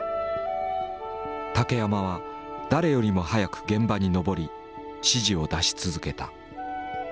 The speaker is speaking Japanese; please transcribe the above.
竹山は誰よりも早く現場にのぼり指示を出し続けた。